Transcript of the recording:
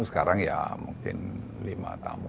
sekarang ya mungkin lima tamu